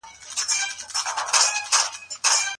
سیاستوال چیري نوي ډیپلوماټیک اسناد ساتي؟